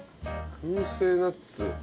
燻製ナッツ